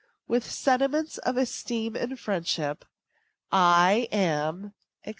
With sentiments of esteem and friendship, I am, &c.